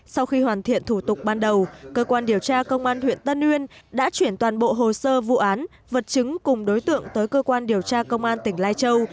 sau khi hoàn thiện thủ tục ban đầu cơ quan điều tra công an huyện tân uyên đã chuyển toàn bộ hồ sơ vụ án vật chứng cùng đối tượng tới cơ quan điều tra công an tỉnh lai châu